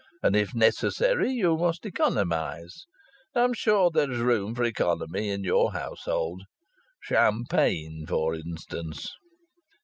And if necessary you must economize. I am sure there is room for economy in your household. Champagne, for instance.